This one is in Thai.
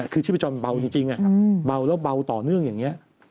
คือชีพจรมันเบาจริงเบาแล้วเบาต่อเนื่องอย่างนี้